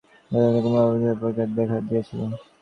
বৌদ্ধধর্মের ক্রম-অবনতির কালে অনিবার্য প্রতিক্রিয়া দেখা দিয়েছিল।